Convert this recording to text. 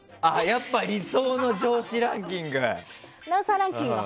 やっぱ理想の上司ランキング！